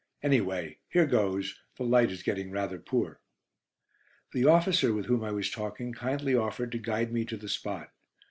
Anyway, here goes; the light is getting rather poor." The officer with whom I was talking kindly offered to guide me to the spot.